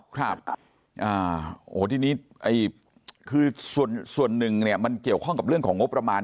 ครับโอ้โหทีนี้คือส่วนหนึ่งเนี่ยมันเกี่ยวข้องกับเรื่องของงบประมาณ